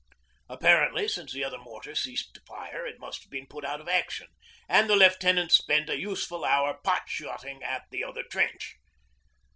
Apparently, since the other mortar ceased to fire, it must have been put out of action, and the lieutenant spent a useful hour pot shotting at the other trench.